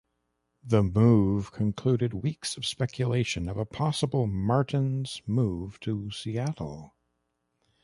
The move concluded weeks of speculation of a possible Martins move to Seattle.